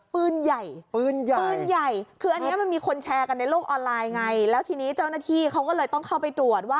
ปืนใหญ่ปืนใหญ่ปืนใหญ่คืออันนี้มันมีคนแชร์กันในโลกออนไลน์ไงแล้วทีนี้เจ้าหน้าที่เขาก็เลยต้องเข้าไปตรวจว่า